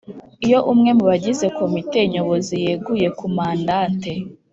Iyo umwe mu bagize Komite Nyobozi yeguye ku mandate